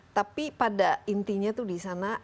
tapi pada intinya itu disana